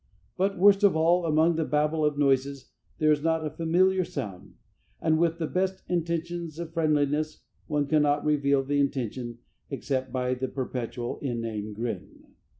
But, worst of all, among the babel of noises, there is not a familiar sound, and with the best intentions of friendliness, one cannot reveal the intention, except by the perpetual, inane grin.